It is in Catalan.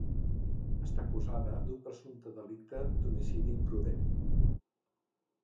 Està acusada d’un presumpte delicte d’homicidi imprudent.